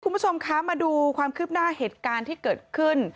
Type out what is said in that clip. คุณผู้ชมคะมาดูความคืบหน้าเหตุการณ์ที่เกิดขึ้น